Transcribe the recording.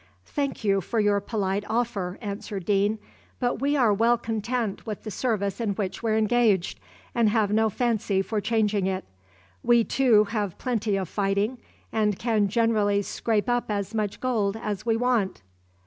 "Thank you for your polite offer," answered Deane, "but we are well content with the service in which we're engaged, and have no fancy for changing it. We, too, have plenty of fighting, and can generally scrape up as much gold as we want."